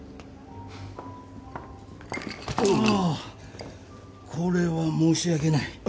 あぁこれは申し訳ない。